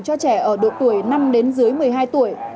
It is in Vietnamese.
cho trẻ ở độ tuổi năm đến dưới một mươi hai tuổi